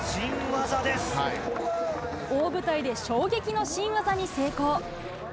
大舞台で衝撃の新技に成功。